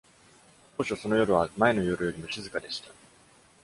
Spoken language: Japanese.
当初その夜は前の夜よりも静かでした。